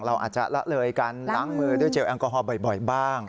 เราอาจจะละเลยการล้างมือด้วยเจลแอลกอฮอล์บ่อยบ้าง